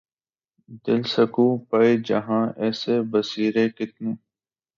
دل سکوں پائے جہاں ایسے بسیرے کتنے